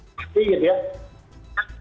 pasti gitu ya